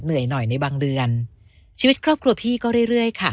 เหนื่อยหน่อยในบางเดือนชีวิตครอบครัวพี่ก็เรื่อยเรื่อยค่ะ